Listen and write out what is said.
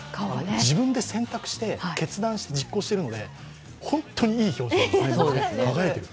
自分で選択して、決断して実行しているので本当にいい表情、輝いてる。